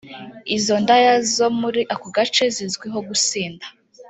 Izo ndaya zo muri ako gace zizwiho gusinda